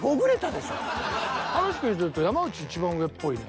話聞いてると山内いちばん上っぽいね。